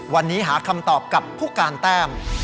วันนี้หาคำตอบกับผู้การแต้ม